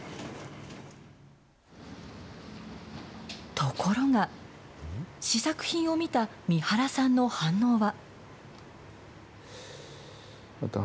ところが、試作品を見た三原さんの反応は。